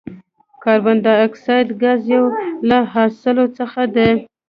کاربن ډای اکساید ګاز یو له حاصلو څخه دی.